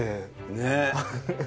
ねえ。